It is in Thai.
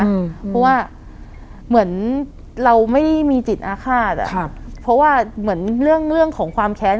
เพราะว่าเหมือนเราไม่ได้มีจิตอาฆาตอ่ะครับเพราะว่าเหมือนเรื่องของความแค้น